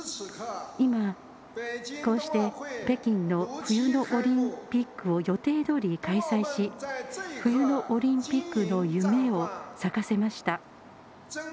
今、こうして北京の冬のオリンピックを予定どおり開催し冬のオリンピックの夢を咲かせました。